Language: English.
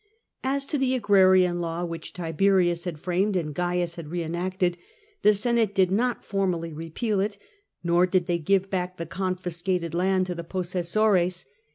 As to the Agrarian Law, which Tiberius had framed and Caius had re enacted, the Senate did not formally repeal it, nor did they give back the confiscated land to the sessores.